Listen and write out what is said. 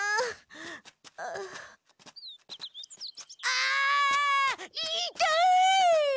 あ言いたい！